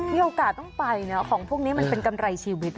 มีโอกาสต้องไปนะของพวกนี้มันเป็นกำไรชีวิต